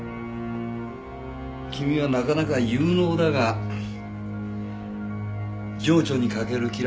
君はなかなか有能だが情緒に欠ける嫌いがあるな。